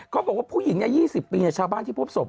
เขาบอกว่าผู้หญิง๒๐ปีชาวบ้านที่พบศพ